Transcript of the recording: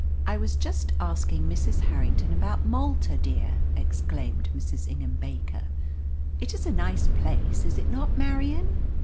"I was just asking Mrs. Harrington about Malta, dear," exclaimed Mrs. Ingham Baker. "It is a nice place, is it not, Marian?"